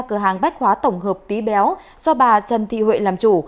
cửa hàng bách hóa tổng hợp tí béo do bà trần thị huệ làm chủ